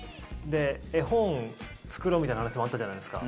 絵本作ろうみたいな話もあったじゃないですか。